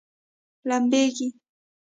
لمبیږي؟